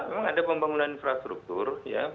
memang ada pembangunan infrastruktur